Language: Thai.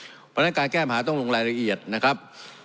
เพราะฉะนั้นการแก้ปัญหาต้องลงรายละเอียดนะครับ